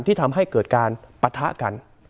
ที่ทำให้เกิดการปะทะกัน